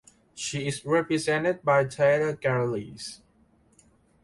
She is represented by Taylor Galleries.